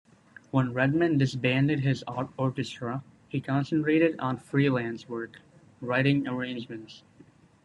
When Redman disbanded his orchestra, he concentrated on freelance work writing arrangements.